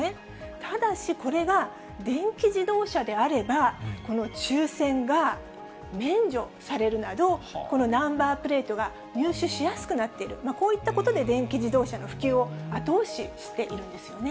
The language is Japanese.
ただし、これが電気自動車であれば、この抽せんが免除されるなど、このナンバープレートが入手しやすくなっている、こういったことで電気自動車の普及を後押ししているんですよね。